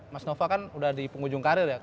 mas nova kan udah di penghujung karir ya